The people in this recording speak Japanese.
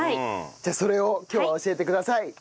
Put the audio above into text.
じゃあそれを今日は教えてください。